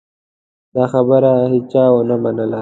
دا خبره هېچا ونه منله.